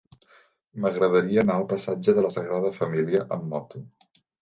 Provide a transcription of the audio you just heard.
M'agradaria anar al passatge de la Sagrada Família amb moto.